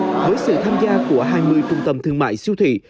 với sự tham gia của hai mươi trung tâm thương mại siêu thị